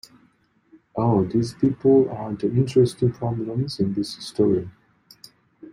Oh, these people are the interesting problems in this story.